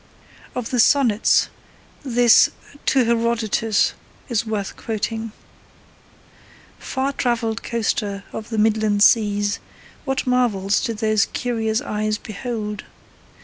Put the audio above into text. Of the sonnets, this To Herodotus is worth quoting: Far travelled coaster of the midland seas, What marvels did those curious eyes behold!